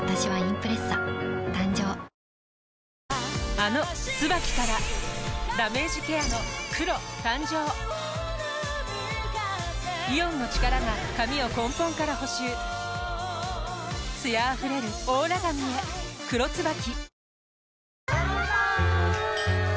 あの「ＴＳＵＢＡＫＩ」からダメージケアの黒誕生イオンの力が髪を根本から補修艶あふれるオーラ髪へ「黒ＴＳＵＢＡＫＩ」かんぱーい！